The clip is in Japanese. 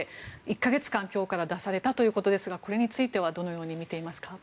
１か月間出されたということですがこれについてはどのように見ていますか？